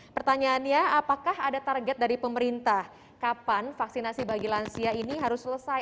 pertanyaannya apakah ada target dari pemerintah kapan vaksinasi bagi lansia ini harus selesai